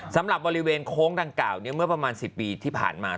สำหรับบริเวณโค้งดังกล่าวเมื่อประมาณ๑๐ปีที่ผ่านมา